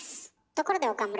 ところで岡村。